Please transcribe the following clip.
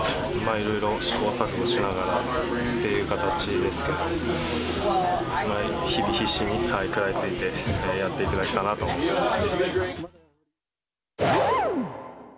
いろいろ試行錯誤しながらっていう形ですけど、日々必死に食らいついて、やっていくだけかなと思っています。